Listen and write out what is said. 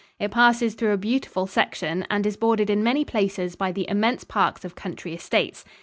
It passes through a beautiful section and is bordered in many places by the immense parks of country estates.